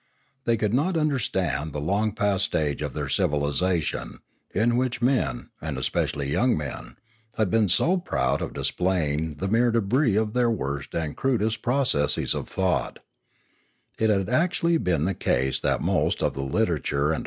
Pioneering 459 They could not understand the long past stage of their civilisation, in which men, and especially young men, had been so proud of displaying the mere debris of their worst and crudest processes of thought; it had actually been the case that most of the literature and